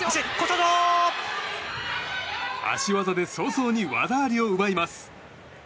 足技で早々に技ありを奪います。